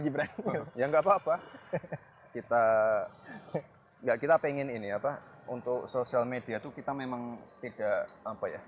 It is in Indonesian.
gibran yang enggak papa kita enggak kita pengen ini apa untuk sosial media tuh kita memang tiga apa ya